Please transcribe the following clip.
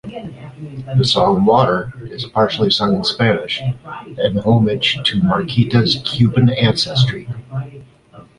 The song "Water" is partially sung in Spanish, an homage to Martika's Cuban ancestry.